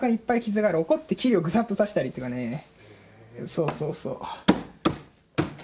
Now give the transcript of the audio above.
そうそうそう。